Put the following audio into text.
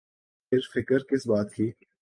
پھر فکر کس بات کی۔